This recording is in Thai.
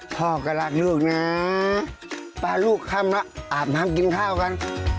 พ่อก็รักลูกนะพาลูกค่ำแล้วอาบน้ำกินข้าวกัน